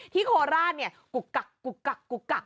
ที่โคลาสเนี่ยกุกกักกุกกักกุกกัก